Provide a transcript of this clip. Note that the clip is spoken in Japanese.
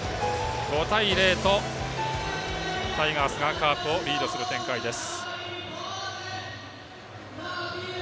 ５対０とタイガースがカープをリードする展開です。